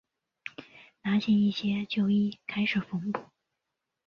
拿起一些旧衣开始缝补